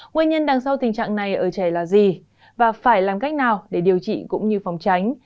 nguyên nhân đằng sau tình trạng này ở trẻ là gì và phải làm cách nào để điều trị cũng như phòng tránh